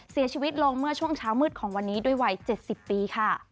เสียชีวิตลงเมื่อช่วงเช้ามืดของวันนี้ด้วยวัย๗๐ปีค่ะ